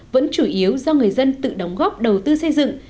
vẫn chủ yếu do người dân tự đóng góp đầu tư xây dựng